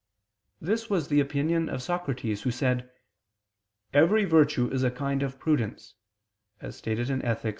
This was the opinion of Socrates, who said "every virtue is a kind of prudence," as stated in _Ethic.